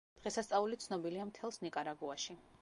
დღესასწაული ცნობილია მთელს ნიკარაგუაში.